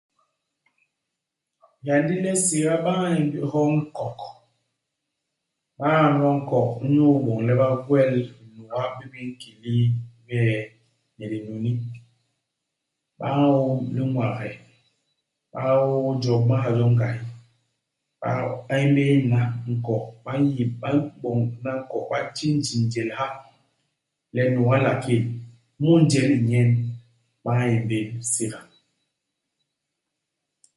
Hyandi le siga ba ñamb hyo i nkok. Ba ñamb hyo i nkok inyu iboñ le ba gwel binuga bi bi nkil i bie, ni dinuni. Ba ñôm liñwaghe, ba ôô jo, ba ma ha jo ngahi. Ba émbél hana i nkok. Ba n'yib ba m'boñ hana i nkok, ba ti ngim njel ha le nuga i nla kil. Mu injel i nyen ba ñémbél siga.